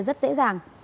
rất dễ dàng